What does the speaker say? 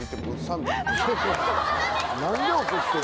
何で怒ってんの？